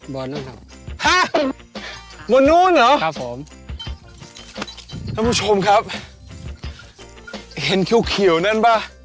บอลนั่นครับฮะบนนู้นเหรอครับผมท่านผู้ชมครับเห็นเขียวเขียวนั่นป่ะ